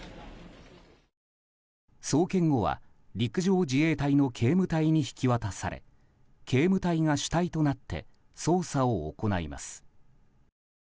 送検後は陸上自衛隊の警務隊に引き渡され警務隊が主体となって捜査を行います。